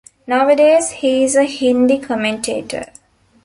Nowadays he is a Hindi commentator.